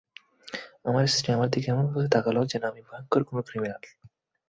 আমার স্ত্রী আমার দিকে এমন ভাবে তাকাল যেন আমি ভয়ংকর কোনো ক্রিমিনাল।